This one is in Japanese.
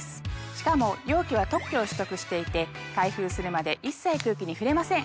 しかも容器は特許を取得していて開封するまで一切空気に触れません。